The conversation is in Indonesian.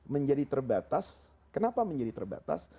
menjadi terbatas kenapa menjadi terbatas